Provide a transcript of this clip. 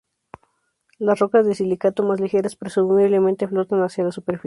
Las rocas de silicato más ligeras presumiblemente flotan hacia la superficie.